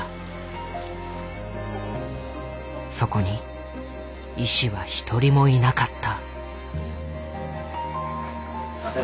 そこに医師は一人もいなかった。